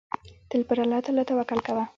تل پر الله تعالی توکل کوه.